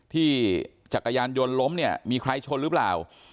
จักรยานยนต์ล้มเนี่ยมีใครชนหรือเปล่า